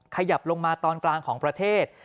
ขยับลงมาตอนกลางของประเทศ